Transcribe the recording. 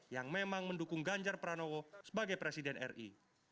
yang memang mendukung ganjar pranowo sebagai presiden ri